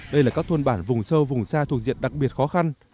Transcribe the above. đây là các thôn bản vùng sâu vùng xa thuộc diện đặc biệt khó khăn